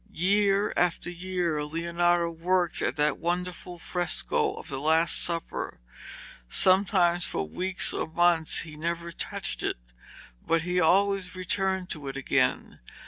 'Year after year Leonardo worked at that wonderful fresco of the Last Supper. Sometimes for weeks or months he never touched it, but he always returned to it again.